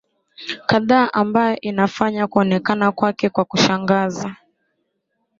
kadhaa ambayo inafanya kuonekana kwake kwa kushangaza